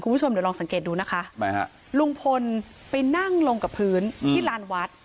คุณผู้ชมเดี๋ยวลองสังเกตดูนะคะทำไมฮะลุงพลไปนั่งลงกับพื้นที่ลานวัด